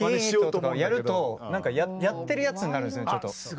やると何かやってるやつになるんですよねちょっと。